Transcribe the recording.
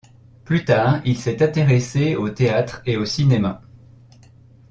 Plus tard, il s’est intéressé au théâtre et au cinéma.